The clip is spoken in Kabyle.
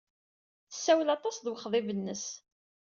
Tessawal aṭas d wexḍib-nnes.